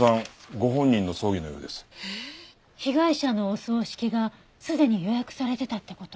被害者のお葬式がすでに予約されてたって事？